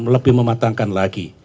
lebih mematangkan lagi